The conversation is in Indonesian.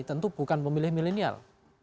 tentu bukan pemilih milenial